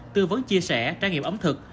tư vấn chia sẻ trang nghiệp ẩm thực